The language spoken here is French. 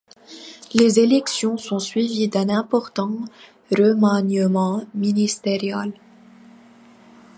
Les élections sont suivis d'un important remaniement ministériel.